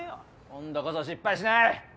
今度こそ失敗しない。